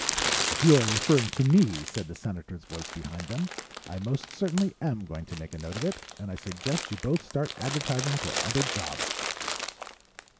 "If you are referring to me," said the Senator's voice behind them, "I most certainly am going to make a note of it. And I suggest you both start advertising for other jobs."